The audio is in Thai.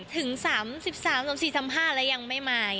ถึงสามสิบสามสามสี่สามห้าแล้วยังไม่มา